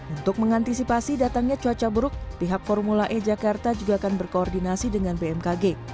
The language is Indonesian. untuk mengantisipasi datangnya cuaca buruk pihak formula e jakarta juga akan berkoordinasi dengan bmkg